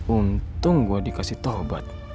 untung gua dikasih tohbat